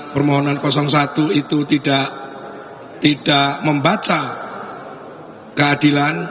permohonan satu itu tidak membaca keadilan